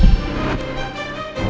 anya ternyata tadi di tampilin